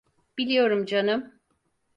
Biliyorum canım.